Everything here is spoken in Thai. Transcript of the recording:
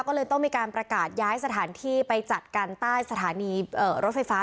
ก็เลยต้องมีการประกาศย้ายสถานที่ไปจัดกันใต้สถานีรถไฟฟ้า